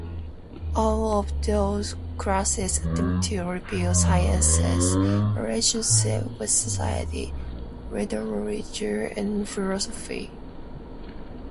All of these classes attempt to reveal science's relationship with society, literature, and philosophy.